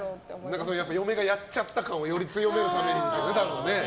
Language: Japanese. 嫁がやっちゃった感をより強めるためでしょうね。